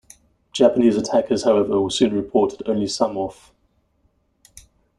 Japanese attackers, however, were soon reported only some off.